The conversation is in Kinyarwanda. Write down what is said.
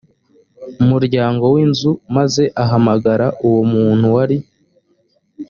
muryango w inzu maze ahamagara uwo muntu wari